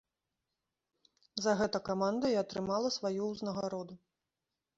За гэта каманда і атрымала сваю ўзнагароду.